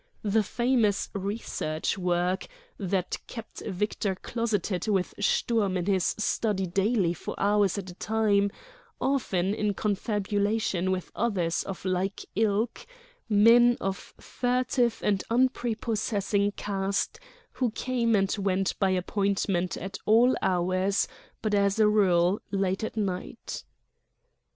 —the famous "research work" that kept Victor closeted with Sturm in his study daily for hours at a time, often in confabulation with others of like ilk, men of furtive and unprepossessing cast who came and went by appointment at all hours, but as a rule late at night!